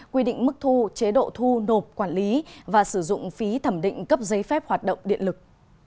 quy định mức thu chế độ thu nộp quản lý và sử dụng phí thẩm định cấp giấy phép hoạt động điện lực